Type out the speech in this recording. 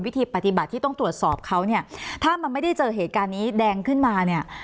วิธีปฏิบัติที่ต้องตรวจสอบเขาเนี่ยถ้ามันไม่ได้เจอเหตุการณ์นี้แดงขึ้นมาเนี่ย